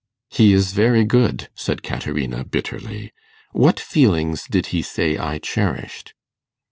'He is very good,' said Caterina, bitterly. 'What feelings did he say I cherished?